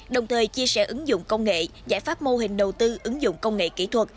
đồng thời chia sẻ ứng dụng công nghệ giải pháp mô hình đầu tư ứng dụng công nghệ kỹ thuật